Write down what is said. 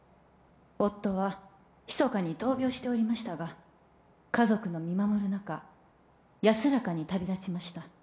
夫はひそかに闘病しておりましたが家族の見守る中安らかに旅立ちました